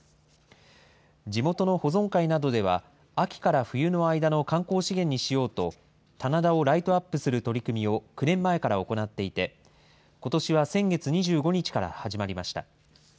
地元の保存会などでは、秋から冬の間の観光資源にしようと、棚田をライトアップする取り組みを９年前から行っていて、ことしは先月２５日から始まりました。